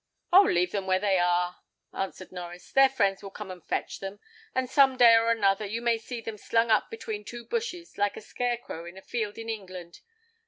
"Oh! leave them where they are," answered Norries. "Their friends will come and fetch them; and some day or another you may see them slung up between two bushes, like a scarecrow in a field in England.